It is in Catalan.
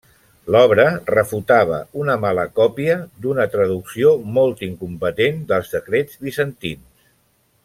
L'obra refutava una mala còpia d'una traducció molt incompetent dels decrets bizantins.